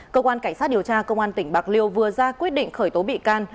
cơ quan cảnh sát điều tra công an tỉnh bạc liêu vừa ra quyết định khởi tố bị can